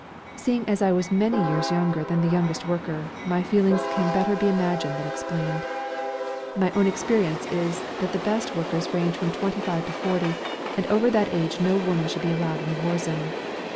Seeing I was many years younger than the youngest worker, my feelings can better be imagined than explained. My own experience is that the best workers range from twenty five to forty, and over that age no woman should be allowed in the war zone.